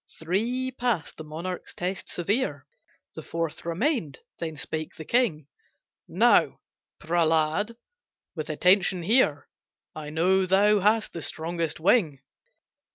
Three passed the monarch's test severe, The fourth remained: then spake the king, "Now, Prehlad, with attention hear, I know thou hast the strongest wing!